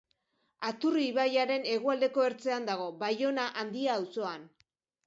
Aturri ibaiaren hegoaldeko ertzean dago, Baiona Handia auzoan.